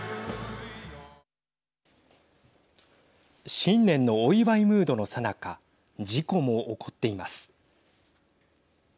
新年のお祝いムードのさなか事故も起こっています。